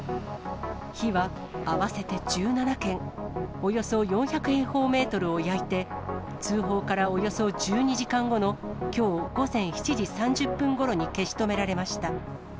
火は合わせて１７軒、およそ４００平方メートルを焼いて、通報からおよそ１２時間後のきょう午前７時３０分ごろに消し止められました。